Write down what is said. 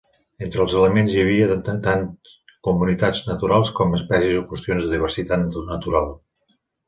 Entre les elements hi havia tant comunitats naturals com espècies o qüestions de diversitat natural.